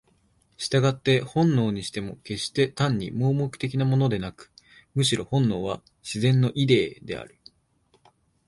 従って本能にしても決して単に盲目的なものでなく、むしろ本能は「自然のイデー」である。